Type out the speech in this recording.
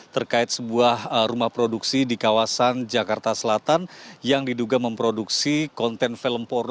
terkait sebuah rumah produksi di kawasan jakarta selatan yang diduga memproduksi konten film empat